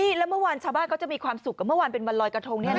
นี่แล้วเมื่อวานชาวบ้านก็จะมีความสุขกับเมื่อวานเป็นวันลอยกระทง